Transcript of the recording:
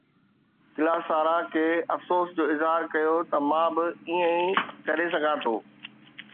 ڪلاسارا کي افسوس جو اظهار ڪيو ته مان به ائين ئي ڪري سگهان ٿو.